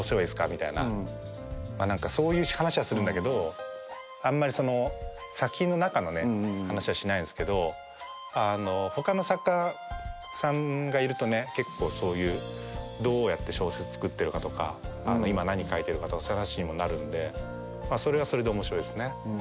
みたいなそういう話はするんだけどあんまりその作品の中のね話はしないんですけどあの他の作家さんがいるとね結構そういうどうやって小説作ってるかとか今何書いてるかとかそういう話にもなるんでそれはそれで面白いですね。